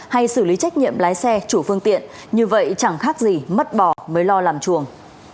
hay xử lý trách nhiệm lái xe chủ phương tiện như vậy chẳng khác gì mất bỏ mới lo làm chuồng